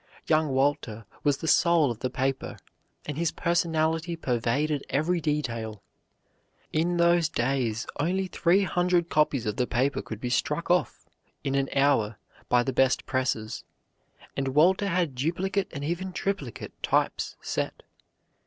Young Walter was the soul of the paper, and his personality pervaded every detail. In those days only three hundred copies of the paper could be struck off in an hour by the best presses, and Walter had duplicate and even triplicate types set.